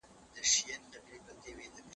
طبیعي علوم د انسانانو د روح په اړه بحث نه کوي.